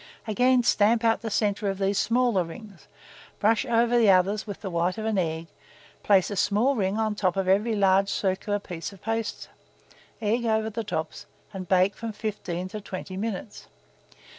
Again stamp out the centre of these smaller rings; brush over the others with the white of an egg, place a small ring on the top of every large circular piece of paste, egg over the tops, and bake from 15 to 20 minutes.